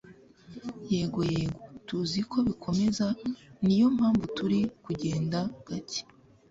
yego yego, tuzi ko bikomeza niyompamvu turi kujyenda gake